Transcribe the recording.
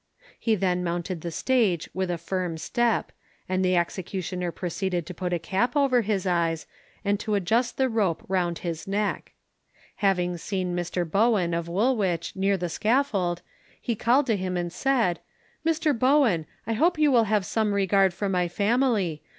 He then mounted the stage with a firm step, and the executioner proceeded to put a cap over his eyes, and to adjust the rope round his neck. Having seen Mr Bowen, of Woolwich, near the scaffold, he called to him and said, "Mr Bowen, I hope you will have some regard for my family.